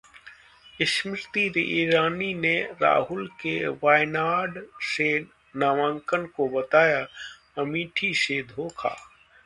स्मृति ईरानी ने राहुल के वायनाड से नामांकन को बताया अमेठी से धोखा